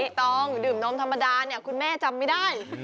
ต้องดื่มนมธรรมดาเนี่ยคุณแม่จำไม่ได้